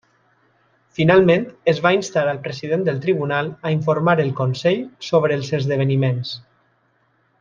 Finalment, es va instar al president del Tribunal a informar el Consell sobre els esdeveniments.